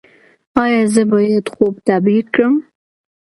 ایا زه باید خوب تعبیر کړم؟